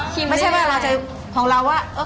ทีมิถงนั้นไง